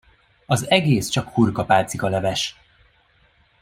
Az egész csak hurkapálcikaleves!